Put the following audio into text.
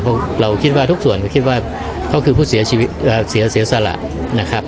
เพราะเราคิดว่าทุกส่วนก็คิดว่าเขาคือผู้เสียชีวิตเสียสละนะครับ